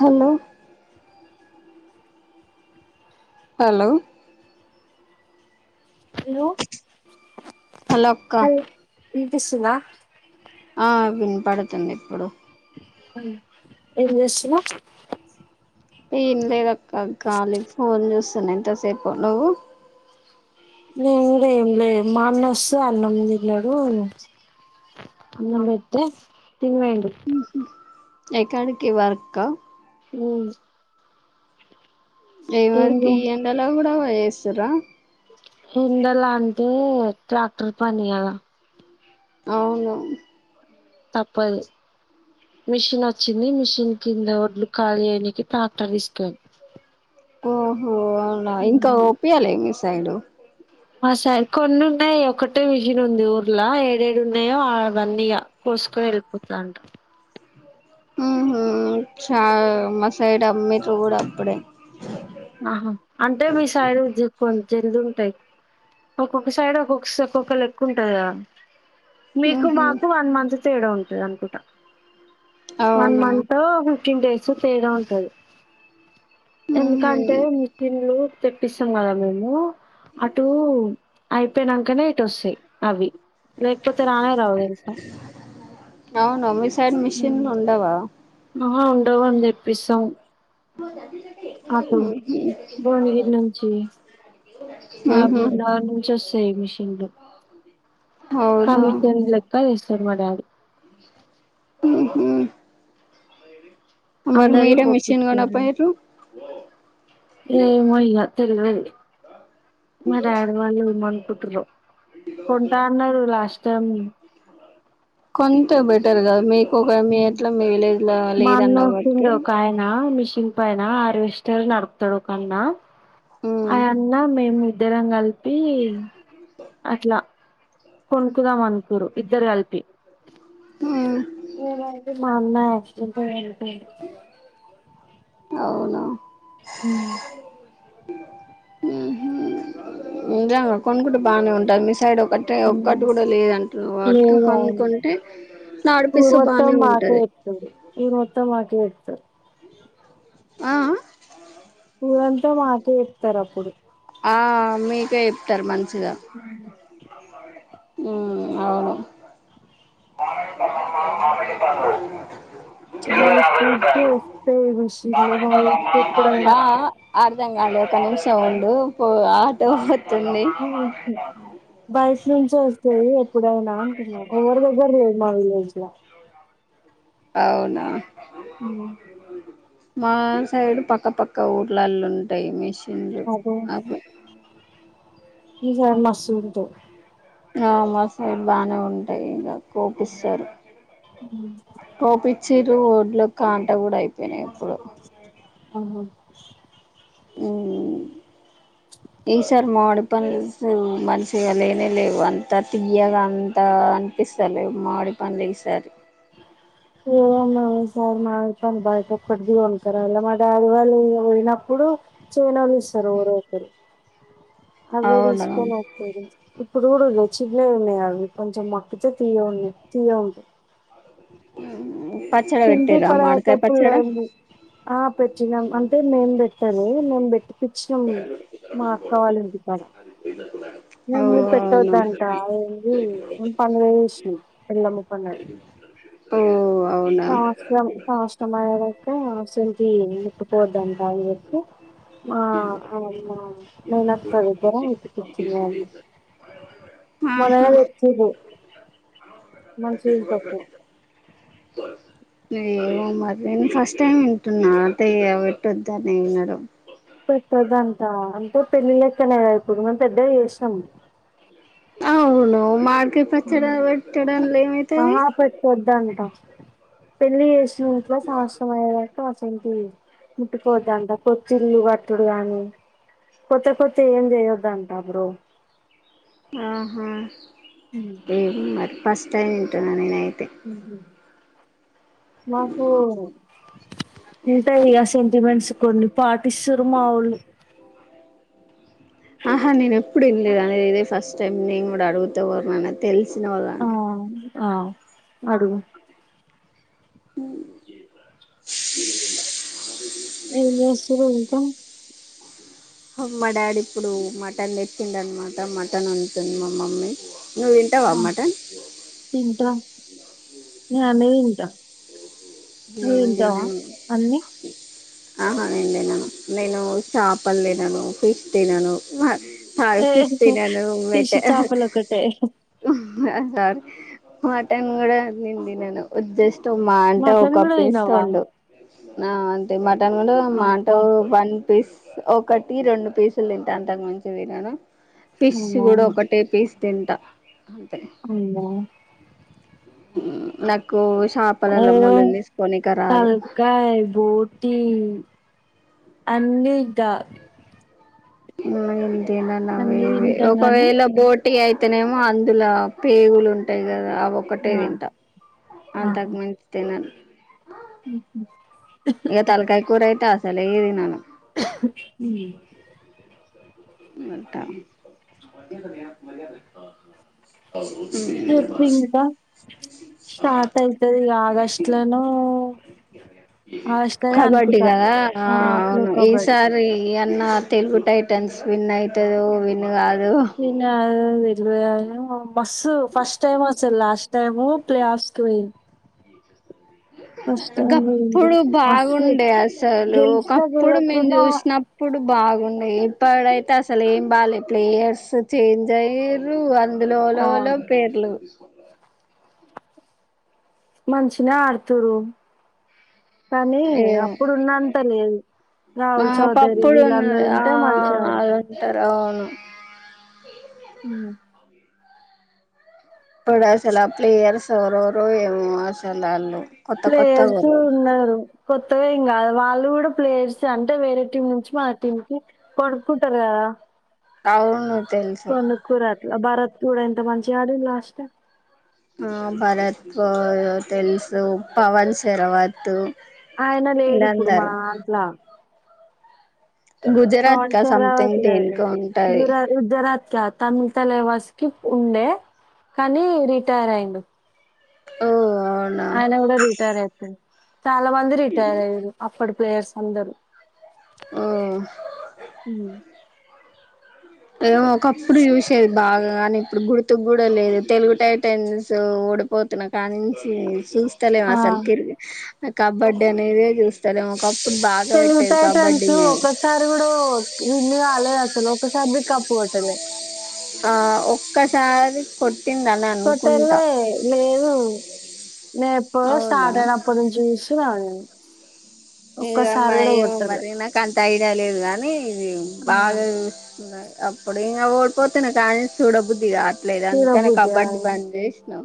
Hello hello hello hello అక్క ఇనిపిస్తుందా ఆ విన్పడుతుంది ఇప్పుడు ఎం చేస్తున్నావ్ ఎం లేదు అక్క కాలి ఫోన్ చూస్తున్నను ఇంతసేపు నువ్వు నేను కూడా ఏం లే మా అన్నాస్తే అన్నం తిన్నాడు అన్నం పెడితే తినిపోయిండు ఎక్కడకి వర్క్ ఆ ఊ డ్రైవరికి ఎండలా కూడా ట చేస్తుండ్ర ఎండలా అంటే ట్రాక్టర్ పని కద అవును తప్పదు మిషన్ వచ్చింది మిషన్ కింద ఒడ్లు ఖాళీ అయనికి ట్రాక్టర్ తీసుకెళ్ళినం ఓహో ఓ అవున ఇంకా ఓప్పియల ఏంచేస్తుంది. సైడు ఆ సార్ కొన్ని ఉన్నాయి ఒక్కటే మిషన్ ఉంది ఊర్లా ఏడేడున్నాయో అవన్నీగా కోసుకొని వెళ్ళిపోతంట్రు ఊహూ చా మా సైడ్ అమ్మిండ్రు కూడా అప్పుడే ఆహా అంటే మీ సైడు జీప్ జల్ది ఉంటాయి ఒక్కొక్క సైడ్ ఒక్కొక్క స్టెప్ ఒక లెక్కుంటది కద మీకు ఉహు మాకు వన్ మంత్ తే తేడా ఉంటది అనుకుంటా వన్ అవునా మంత్ ఫిఫ్టీన్ డేస్ డేస్ తేడా ఉంటాది ఉహు ఎందుకంటే మిషన్లు తెప్పిస్తాం కదా మేము అటు అయిపోయినంకనే ఇటు వస్తాయి అవి లేకపోతే రానే రావు తెలుసా అవును మీ సైడ్ మిషన్లు ఊమ్ ఉండవా ఆహ ఉండవు అని తెప్పిస్తాం అటు ఉహు భువనగిరి నుంచి మా ఉహు భువనగిరి నుంచి వస్తాయి మిషన్లు ఆ అవునా మిషన్ లెక్క ఎస్తారు మా డాడీ అలా ఏది అందరి హోపు. కొనపొయ్రు ఏమొ ఇగ తిన్నాఅండి. మా డాడీ వాళ్ళు ఎమనకుట్టున్రో కొంటా అన్నారు లాస్ట్ టైం. టే బెటర్ గదా మీక్ ఒక మీ ఇంట్ల మీ విలేజ్ లా మా లేదన్నవ్గావట్టికే. పైనా ఆర్వెస్టర్ నడుప్తడు ఒకన్న. ఉమ్ ఆయన్న మేము ద్దరం గల్స్ పీల్ అట్లా కొనుకుందామన్కూర్రు ఇద్దరుగల్పి. ఉమ్ ఏదైతే మా అన్నయ వస్తు పోయేళ్ళు. పెయింట్ అవునా? హుమ్ ఊ హుమ్ నిజంగ కొనుకుంటే బాగానే ఉంటది, మీ సైడ్ ఒ ఆ హా లేదండి కొనుక్కుంటే నడిపిస్తే ఊర్మొత్తం బానే మాకే ఉంటది చెప్తుంది ఊర్మోత్తం మాకే చెప్తుంది. తర్ ఆ ఆహ్ ఊరంత మాకే చెప్తరప్పుడు. ఆ మీకే చెప్తరు మం హుమ్ ఉమ్ అవును. కిలో యాభై బయట్నించే రూపాయలు వస్తయి మిషిన్లు మా ఊరికి ఎప్పుడైనా. ర్థం గాలే ఒక నిమిషం ఉండూ, పో ఆటో ఒ బస్ నుంచొస్తది ఎప్ ఎప్పుడయినా అంటున్నా, ఒవ్వరిదగ్గర లేదు మల్లి. [inaudible] అవునా! ఉమ్ మా సైడ్ పక్క పక్క ఊర్లల్లుంటయి మిష్ [inaudible] నిజంగ్ మస్తు ఉంటది ఆ మా సైడు బానే ఉంటాయి ఇగ కోపిస్సారు మ్మ్ చిరు ఓడ్లో కాంట కూడా అయిపోయినాయి ఇప్పుడు ఆహ హ్మ్ ఈసారి మామిడి పంల్స్ మంచిగా లేనే లేవు అంత తియ్యగా అంతా అనిపిస్తలే, మామిడి పండ్లు ఈసారి ఎవరు ఏమన్నా సార్ మా ఆప్పన్ బయట ఒకటి ది కొనక రావాలా, మా డాడి వాళ్ళు ఈ ఇగ పోయినప్పుడు చేయనోళ్ళు ఇస్సరు. ఎవరో ఒకరు అవ్వే అవునా దీసుకొని పోతారు ఇ ఇప్పుడు కూడా వచిన్నవి ఉన్నాయి. అవి కొంచెం మక్కుతే తీయగా ఉన్నాయి. తీయ్యగ ఉంటాయి. ఉ హుం తింటే తరువాత పుల్లగ ఉంది. ఆ పెట్టినాం అంటే మేం పెట్టాలి మేం పెట్టికిచ్చినం మా అక్క వాళ్ళంటి కాడా ఓ మేమ్ కూడా అవునా పెట్టోదంటా ఎమ్ చే ఉమేము పండగ చేస్తున్నాం ఎల్లమ్మ పండగ ఓ అవునా టాస్లం టాష్ పండగ పోయేదాకా శొంటిన్ ముట్టుకోవద్దంట అని చెప్పి, మా అనే ఇమా మేనత్త దగ్గర ఉప్పుకుచ్చింది. అని చెప్పి మొలగ ఆహా తెచ్చిండు, మంచింటప్పు అవును మరి నేను ఈ ఫస్ట్ టైమ్ వింటున్నా అంటే ఇగ పెట్టొద్ద అని వినడం. పెట్టోదంటా అంటే పెళ్ళి లేకుండా [unintelligible] ఇప్పుడు మనం పెద్దగా చేసినం అవును మ కె పచ్చడా పెట్టడంలో ఏమైతది పెళ్ళి చేసు [unintelligible] అంటు ముట్టికోద్దంట కొతిల్లు కట్టుడు గానీ కొత్త కొత్త ఏం చేయొద్దంట బ్రో ఆహా ఏం మరి ఫస్ట్ టైమ్ వింటున్నా నేను అయి మ్మ్ హు నాకు ఉంటాయిగ ఆ సెంటిమెంట్స్ కొన్ని పాటిస్తారు మావోళ్ళు. ఆహా నేను ఎప్పుడు వినలేదని ఇదే ఫస్ట్ టైం నేను కూడా అడుగుత ఎవరునన్న తెలిసిన వాళ్ళని. ఆవ్ అడుగు హుం ఏం చేస్తున్నావ్ ఇంకా హా మా డాడీ ఇప్పుడు మటన్ తెచ్చిండు అనమాట మటన్ వండుతుంది మా మమ్మీ నువ్వు తింటావ మటన్ ననే వింట నువ్వు నేను తింటావా అన్నీ హ నేను తిన్నాను నేను చాపలు తినను. ఫిష్ తినను. సారీ ఏ ఫిష్ తినను ఫిష్ చాపలు ఒకటే హహ మటన్ కూడా నేను తినను జస్ట్ మా అంటే మటన్ కూడా ఒకప్ప తినవా ఇస్తండు నా అంతి మన్ దాని కూడా మాంటు అబ్బా వన్ పీస్ ఒకటి రెండు పీసులు తింటే అంతకు మంచి దీన ఫిష్ కూడా ఒకటే పీస్ తింట అవుంద నాకు ఇష్ అ తల్కాయ బోటి అందుద్దా ఉమ్మ్ దన్నావే అన్ని తింటాం గానీ ఒకవేళ బోట్ ఇటి అయితేనేమో అందులో పేగులు ఉంటాయి కదా ఆ ఒక్కటే ఆ తింట అంతకు మించి తినను ఉహు ఈగ తలకాయ కూర అయితే అసలే తినను ఉ మటన్ చెప్పి ఇంకా స్టార్ట్ ఐతది. ఇక ఆగస్టు లోనో ఆగస్టు లోనే కబడ్డీ అనుకుంటా కదా ఆలో కబడ్డీ నా తెలుగు టైటన్స్ విన్ అయితదో విన్ కాదు చిన్న అ మస్సు ఫస్ట్ టైమ్ అసలు లాస్ట్ టైమ్ ప్లే ఆఫ్స్కి పోయింది ఫస్ట్ టైం పోయింది గప్పుడు మస్తు బాగుండే అసలు గెలిచినా ఒకప్పుడు మేము గెలవకున్నా చూసినప్పుడు బాగుండే ఇప్పుడైతే అసలు ఏం బాలేదు ప్లేయర్స్ చేంజ్ అయ్యరు అ అదిలో ఓల ఆ ల పేర్లు మంచినే ఆడుతురు కానీ ఏమో అప్పుడున్నంత లేదు. ఆ రాహుల్ చౌదరి ఒకప్పుడు ఉన్న వీళ్ళందరుూ ఆ ఉంటే మంచిగా ఆడుతారు. అదంటారు అవును ఉ ఇప్పుడు అసలు ప్లేయర్స్ ఎరరు ఏమో అసలు వాళ్ళు ప్లేయర్స్ ఉన్నారు కొత్తగా వాళ్ళు కూడా ప్లేయర్స్ అంటే వేరే టీం నుంచి మన టీం కి కొనుక్కుంటారు కదా అవును తెలుసు కొను కూర అత్లా బర చూడ ఎంత మంచిగా ఆడు లాస్ట్ లో ఆ భరత్ తెలుసు పవన్ శర్వతు ఆయన లేడు ఇప్పుడు మన అంట్లా గుజరాత్ క సంథింగ్ శరావత్ దేనికో ఉంటాది లా తమిళ తలవాస్ కి ఉండే కానీ రిటైర్ అయిడు ఆ ఆయన కూడా రిటైర్ అయితే చాలా మంది రిటైర్ అయ్యారు అప్పటి ప్లేయర్స్ అందరు ఓ అ ఏమో ఒకప్పుడు చూసేది బాగా కానీ ఇప్పుడు గుర్తుకు కూడా లేదు తెలుగు టైటన్స్ ఓడిపోతున్నా కానుంచి ఆ చూస్తలేము కబడ్డీ అనేది చ ఒకప్పుడు బాగా పెట్టేది [inaudible] కబడ్డీ మేము ఒసారి కూడా విన్ కాలేదు లో ఒక సరే కాపు అంటనే ఆ ఒక్కసారి కొ కొట్టలే లేదు నేను ఎప్పుడు అవునా స్టార్ట్ అయినప్పుడు నుంచి చూస్తున్నాను నేను ఒక్కసారి ఇదమ్మా కూడా ఏమో కొట్టలే మరి నాక అంత ఐడియా లేదు గాని ఇది ఆ బాగా చూస్తున్నారు అప్పుడు ఓడిపోతున్నా కడ్డానుంచి చూడభుద్ధిగా లేదు అందుకేని చూడబుద్ధి కబడ్డీ కాదు బంద్ చేసినాం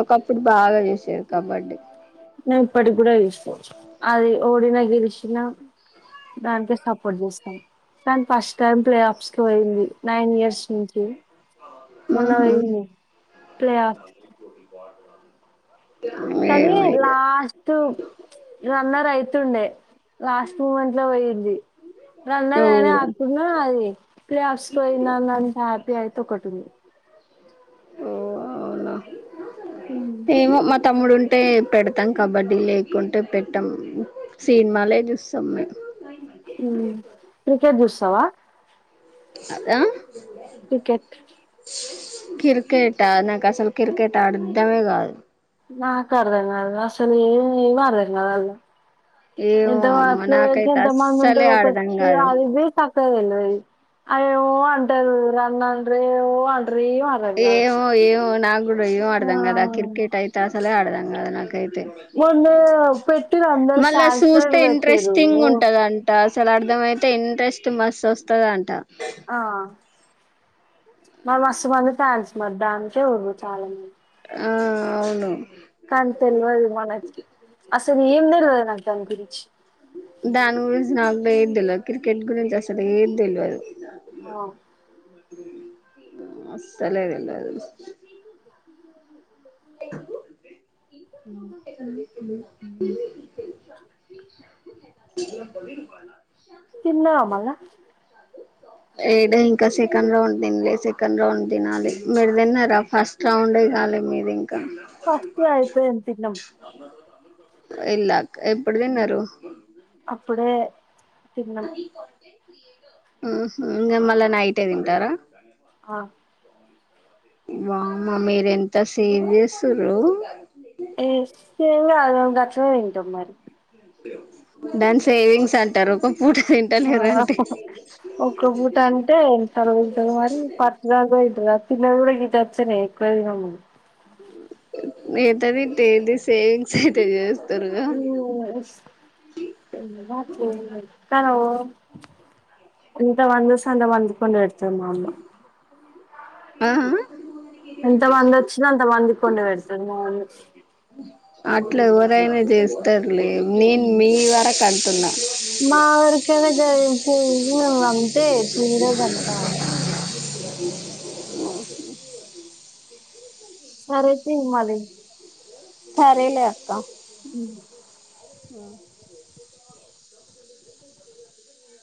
ఒకప్పుడు బాగా కబడీ న ఇప్పటికి కూడా చూస్తా అది ఓడిన గెలిచినా దానికే సపోర్ట్ చేస్తాం దాని ఫస్ట్ టైం ప్లే ఆఫ్స్కి పోయింది నైన్ ఇయర్స్ నుంచి మొన్న ఉహు పోయింది ప్లే ఆఫ్కి - [unintelligible] కనీ లాస్ట్ రన్నర్ ఐతుండే లాస్ట్ మూమెంట్ లో పోయింది ఓ రన్నదినే ఆకున్నా అది ప్లే ఆఫ్స్ పోయింది అంత హ్యాపీ అయితోకటుంది ఓ అవునా ఏమో మ తమ్ముడు ఉంటే పెడతాం కబడ్డీ లేకుంటే పెట్టం సిన్మాలే చూస్తాం మేము ఉ క్రికెట్ చూస్తావా అదా క్రికెట్ కిర్కెట నాక అసలు కిర్కెట్ అర్ధమే కాదు నాకు అర్ధం కాదు అసలు ఏం ఏం అర్ధం కాదు ఏమో ఎంత అమ్మ ప్లేయర్స్ నాకైతే ఎంత మ అస్సలే ఉంటారు ఒకటి అర్ధం కాదు అది సక్కగా తెలియదు ఏయో అంటారు రన్నాండ్రె అంటరు ఏమో ఏమో నాకు ఇ ఏం అర్ధం కాదు క్రికెట్ అయితే అస్ అసలే ఆడదాం కాదు నాకైతే మొందు పెట్టిరు అందరు మళ్ళా చూస్తే శాంస్లు పెట్టిరు ఇంట్రెస్టింగ్ ఉంటదంట అసలు అర్థమ అయితే ఇంట్రెస్ట్ మస్త్ వస్తుందంట ఆ మరి మస్త్ మంది ఫాన్స్ మరి దానికే ఉన్నారు చాలా మంది అవును కానీ తెల్వద్ మనకి అసలు ఏం తెల్వద్ నాకు దానిగురించి [unintelligible] దాని గురించి నాకు ఏది తెలిదు క్రికెట్ గురించి అసలు ఏది తెలియదు ఓ అసలే తెలీదు [unintelligible] తిన్నావా మల్లా లేదు ఇంక సెకండ్ రౌండ్ తినలే సెకండ్ రౌండ్ తినాలి మీరు తిన్నారా ఫస్ట్ రౌండే కాలె మీది ఇంకా ఫస్ట్ ది ఐపోయింది తినడం ఇలక్ ఎప్పుడు తిన్నరు ఇప్పుడే అవి కొంటె ఊఉ ఇగ మళ్ళ నైటే తింటారా ఆమ్ వామ్మో మీర ఎంత సేవ్ చేస్తుర్రు ఏ తినన్ మేం గచ్చుగ తింటాం మరి దాని సేవింగ్స్ అంటారు పూట అ తింటలేరంటే ఒక ఒక్క పూట అంటే తరవు మరి పటద్ రాతిన్న కూడా గీతచ్చేనే ఎకువ దంది ఎతంది తెది సేంగ్స్ తెజస్ మ్ కావు అంత వంద స అంత వందికండ ఎ ఆ ఆ [unintelligible] ఎంత మంది వచ్చినా అంత మంది కొండ పెడతును అవును అట్లా ఎవరైనా చేస్తారు లే నేను మీ వరకుంటున్నా [unintelligible] అంతే [unintelligible] సరే తి మల్లి సరేలే అక్క ఉ ఆ